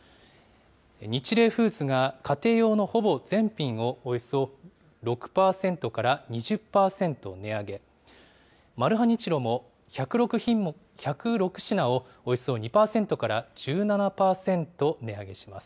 ニチレイフーズが家庭用のほぼ全品を、およそ６％から２０％値上げ、マルハニチロも、１０６品をおよそ２％から１７％値上げします。